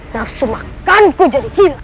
nafsu makan ku jadi hilang